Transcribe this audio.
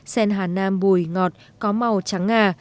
sen hà nam bùi ngọt có màu trắng ngà